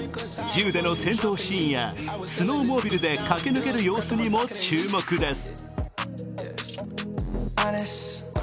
銃での戦闘シーンやスノーモービルで駆け抜ける様子にも注目です。